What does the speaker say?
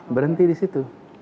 berhenti di situ